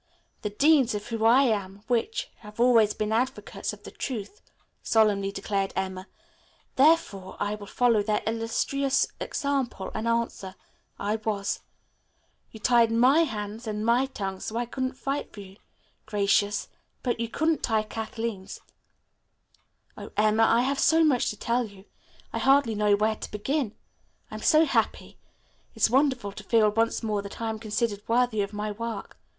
"The Deans of whom I am which, have always been advocates of the truth," solemnly declared Emma, "therefore I will follow their illustrious example and answer 'I was.' You tied my hands and my tongue so I couldn't fight for you, Gracious, but you couldn't tie Kathleen's." "Oh, Emma, I have so much to tell you. I hardly know where to begin. I'm so happy. It's wonderful to feel once more that I am considered worthy of my work.